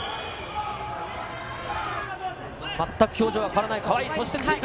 全く表情は変わらない川井。